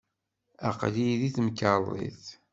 Aql-iyi deg temkarḍit.